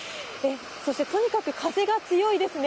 そしてとにかく風が強いですね。